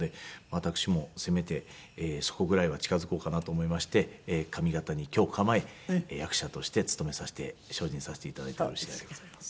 私もせめてそこぐらいは近づこうかなと思いまして上方に居を構え役者として勤めさせて精進させて頂いている次第でございます。